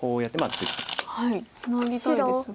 ツナぎたいですが。